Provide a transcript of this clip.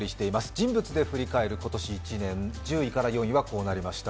人物で振り返る今年１年、１０位から４位はこうなりました。